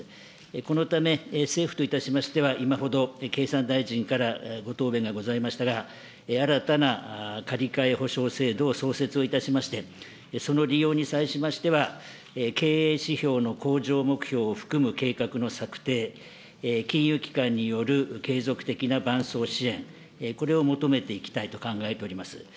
このため、政府といたしましては、今ほど経産大臣からご答弁がございましたが、新たな借り換え保証制度を創設をいたしまして、その利用に際しましては、経営指標の向上目標を含む計画の策定、金融機関による継続的な伴走支援、これを求めていきたいと考えております。